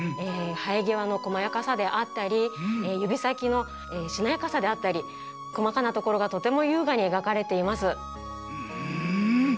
はえぎわのこまやかさであったりゆびさきのしなやかさであったりこまかなところがとてもゆうがにえがかれています。